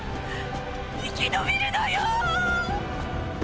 生き延びるのよ！